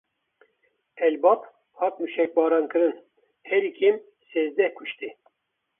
El Bab hat mûşekbarankirin: Herî kêm sêzdeh kuştî.